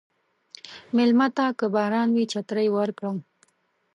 مېلمه ته که باران وي، چترې ورکړه.